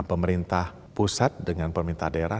pemerintah pusat dengan pemerintah daerah